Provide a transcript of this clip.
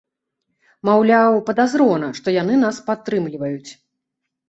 Маўляў, падазрона, што яны нас падтрымліваюць.